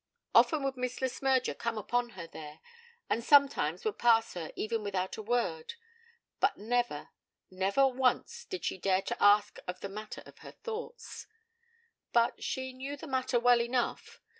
Often would Miss Le Smyrger come upon her there, and sometimes would pass her even without a word; but never never once did she dare to ask of the matter of her thoughts. But she knew the matter well enough.